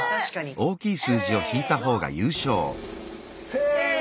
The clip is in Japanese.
せの！